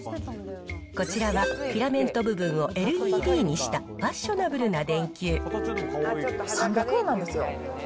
こちらはフィラメント部分をＬＥＤにしたファッショナブルな電球３００円なんですよ。